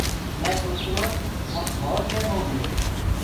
مي سوچرو اب ڀوت ٽيم هوگو هي۔